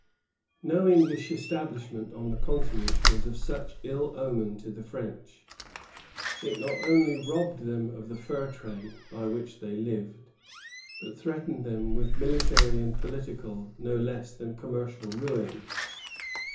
No English establishment on the continent was of such ill omen to the French. It not only robbed them of the fur trade, by which they lived, but threatened them with military and political, no less than commercial, ruin.